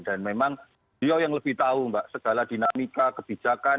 dan memang beliau yang lebih tahu mbak segala dinamika kebijakan